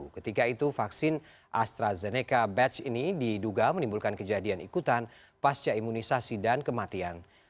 ketika itu vaksin astrazeneca batch ini diduga menimbulkan kejadian ikutan pasca imunisasi dan kematian